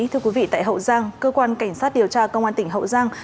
thưa quý vị tại hậu giang cơ quan cảnh sát điều tra công an tỉnh hậu giang